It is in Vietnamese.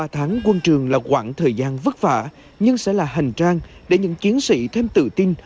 ba tháng quân trường là quãng thời gian vất vả nhưng sẽ là hành trang để những chiến sĩ thêm tự tin